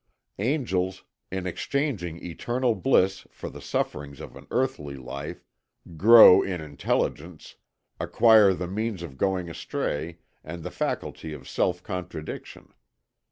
Angels, in exchanging eternal bliss for the sufferings of an earthly life, grow in intelligence, acquire the means of going astray and the faculty of self contradiction.